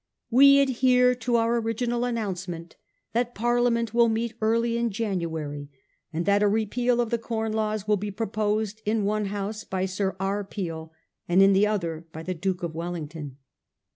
' We adhere to our original announcement that Parliament will meet early in January, and that a repeal of the Corn Laws will be proposed in one House by Sir R. Peel, and in the other by the Duke of Wellington.